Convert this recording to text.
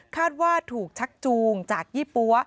ว่าถูกชักจูงจากยี่ปั๊ว